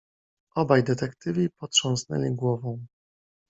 "Obaj detektywi potrząsnęli głową."